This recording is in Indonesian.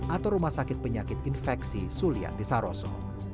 atau rumah sakit penyakit infeksi sulianti saroso